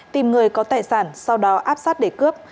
tìm người có tài sản sau đó áp sát để cướp